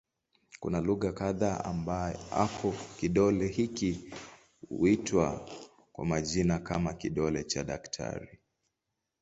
Kuna lugha kadha ambako kidole hiki huitwa kwa majina kama "kidole cha daktari".